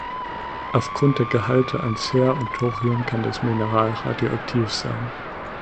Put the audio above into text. Aufgrund der Gehalte an Cer und Thorium kann das Mineral radioaktiv sein.